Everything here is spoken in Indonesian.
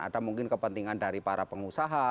ada mungkin kepentingan dari para pengusaha